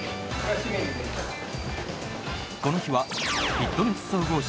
この日はフィットネス総合誌。